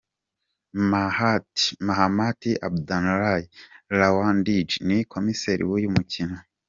Mahamat Abdonlaye Lawandji ni komisseri w’uyu mukino.